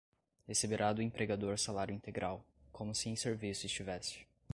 receberá do empregador salário integral, como se em serviço estivesse